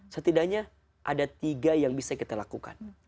setidaknya ada tiga yang bisa kita lakukan